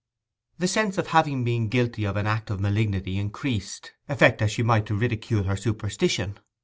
The sense of having been guilty of an act of malignity increased, affect as she might to ridicule her superstition.